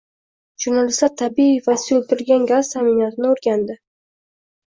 Jurnalistlar tabiiy va suyultirilgan gaz ta’minotini o‘rganding